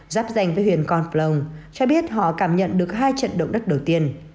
giáp danh với huyện con plong cho biết họ cảm nhận được hai trận động đất đầu tiên